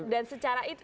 dan secara itu